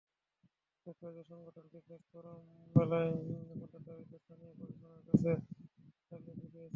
ব্যবসায়ীদের সংগঠন business forum মেলা বন্ধের দাবিতে স্থানীয় প্রশাসনের কাছে স্মারকলিপি দিয়েছে।